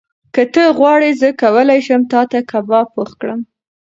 که ته غواړې، زه کولی شم تاته کباب پخ کړم.